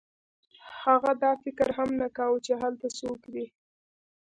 هغه دا فکر هم نه کاوه چې هلته څوک دی